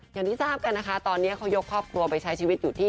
อย่างที่ทราบกันนะคะตอนนี้เขายกครอบครัวไปใช้ชีวิตอยู่ที่